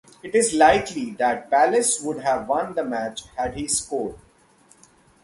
It is likely that Palace would have won the match had he scored.